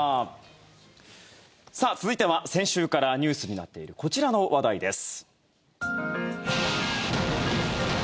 続いては先週からニュースになっているこちらの話題です。